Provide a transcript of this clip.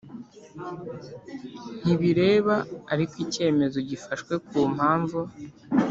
Ntibireba ariko icyemezo gifashwe ku mpamvu